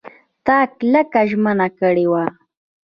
تا کلکه ژمنه کړې وه !